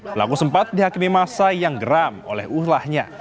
pelaku sempat dihakimi masa yang geram oleh ulahnya